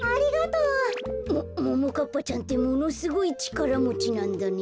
もももかっぱちゃんってものすごいちからもちなんだね。